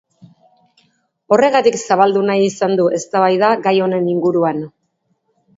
Horregatik zabaldu nahi izan du eztabaida gai honen inguruan.